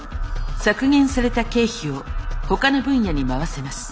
削減された経費をほかの分野に回せます。